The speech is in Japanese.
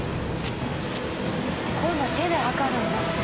今度は手で測るんですね。